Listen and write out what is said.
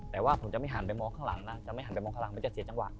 แต่ว่าผมจะไม่หันไปมองข้างหลังนะจะไม่หันไปมองข้างหลังมันจะเสียจังหวะ